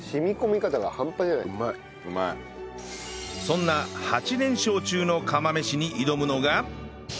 そんな８連勝中の釜飯に挑むのが